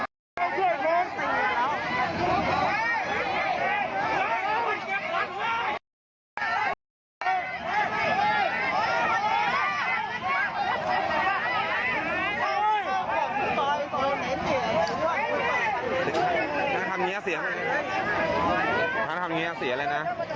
มันเก็บหนัก